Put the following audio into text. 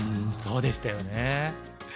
そうでしたよね。